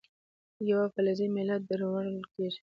یوه فلزي میله درول کیږي.